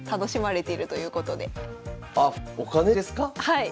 はい。